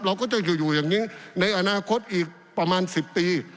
เราก็จะอยู่อย่างนี้ในอนาคตอีกประมาณ๑๐ปี